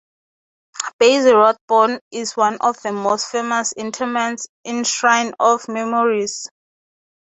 Basil Rathbone is one of the most famous interments in Shrine of Memories.